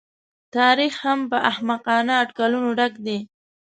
تاریخ هم په احمقانه اټکلونو ډک دی.